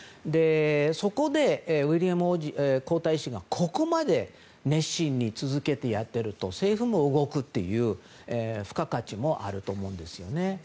そこで、ウィリアム皇太子がここまで熱心に続けてやっていると政府も動くという付加価値もあると思うんですね。